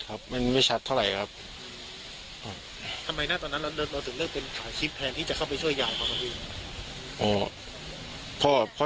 ทำไมตอนนั้นเราถึงเลิกเป็นถ่ายคลิปแทนที่จะเข้าไปช่วยยายเขาครับพี่